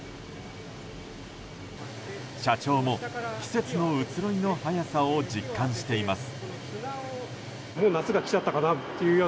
社長も季節の移ろいの早さを実感しています。